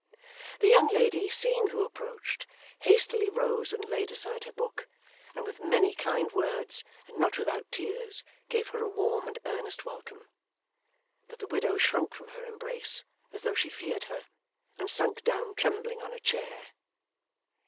The young lady, seeing who approached, hastily rose and laid aside her book, and with many kind words, and not without tears, gave her a warm and earnest welcome. But the widow shrunk from her embrace as though she feared her, and sunk down trembling on a chair.